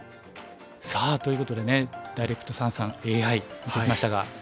さあということでねダイレクト三々ＡＩ見てきましたが。